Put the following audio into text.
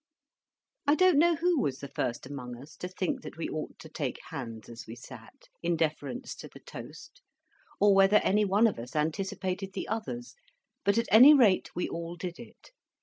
I don't know who was the first among us to think that we ought to take hands as we sat, in deference to the toast, or whether any one of us anticipated the others, but at any rate we all did it.